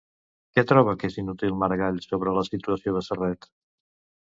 Què troba que és inútil Maragall sobre la situació de Serret?